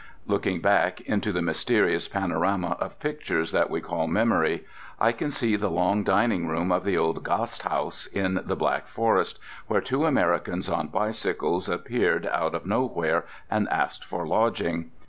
Looking back into the mysterious panorama of pictures that we call memory, I can see the long dining room of the old gasthaus in the Black Forest, where two Americans on bicycles appeared out of nowhere and asked for lodging.